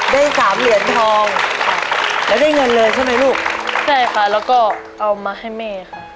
ได้สามเหรียญทองแล้วได้เงินเลยใช่ไหมลูกใช่ค่ะแล้วก็เอามาให้แม่ค่ะ